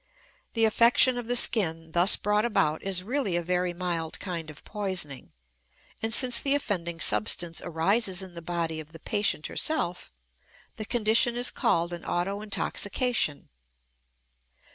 The affection of the skin thus brought about is really a very mild kind of poisoning, and since the offending substance arises in the body of the patient herself the condition is called an autointoxication.